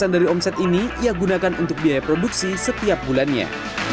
dari omset ini ia gunakan untuk biaya produksi setiap bulannya